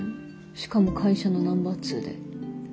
しかも会社のナンバー２で。